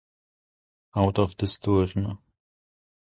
Out of the Storm